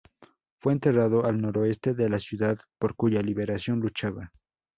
Fue enterrado al noroeste de la ciudad por cuya liberación luchaba.